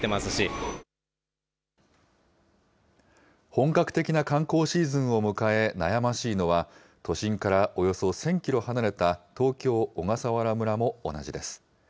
本格的な観光シーズンを迎え、悩ましいのは都心からおよそ１０００キロ離れた東京・小笠原村も同じです。